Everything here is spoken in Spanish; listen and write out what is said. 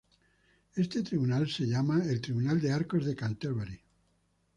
Este tribunal se llama el Tribunal de Arcos de Canterbury.